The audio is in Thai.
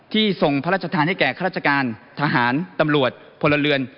ทรงพระราชทานให้แก่ข้าราชการทหารตำรวจพลเรือน